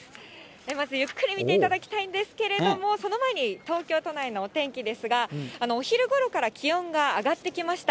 まずゆっくり見ていただきたいんですけれども、その前に、東京都内のお天気ですが、お昼ごろから気温が上がってきました。